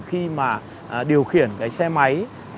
khi mà điều khiển cái xe máy